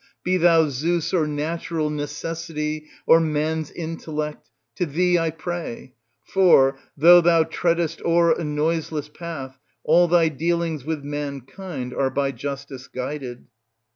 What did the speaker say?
be thou 2^us, or natural necessity, or man's intellect, to thee I pray ; for, though thou treadest o'er a noiseless path, all thy dealings with mankind are by justice guided.